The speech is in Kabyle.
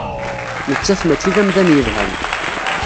Nettat maci d amdan yelhan.